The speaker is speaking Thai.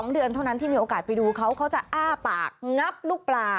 ๒เดือนเท่านั้นที่มีโอกาสไปดูเขาเขาจะอ้าปากงับลูกปลา